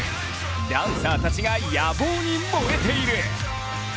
ダンサーたちが野望に燃えている！